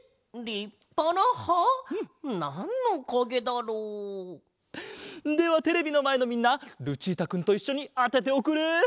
なんのかげだろう？ではテレビのまえのみんなルチータくんといっしょにあてておくれ！